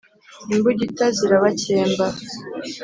Imbugita zirabakemba